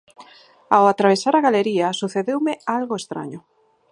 Ao atravesar a galería, sucedeume algo estraño.